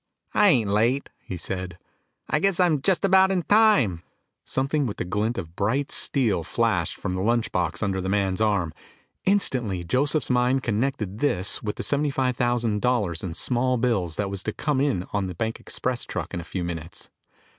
"I ain't late," he said. "I guess I'm just about in time." Something with the glint of bright steel flashed from the lunch box under the man's arm. Instantly Joseph's mind connected this with the seventy five thousand dollars in small bills that was to come in on the bank express truck in a few minutes.